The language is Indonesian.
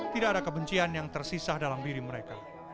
tidak ada kebencian yang tersisa dalam diri mereka